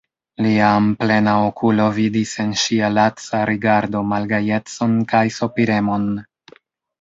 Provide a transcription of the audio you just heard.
Lia amplena okulo vidis en ŝia laca rigardo malgajecon kaj sopiremon.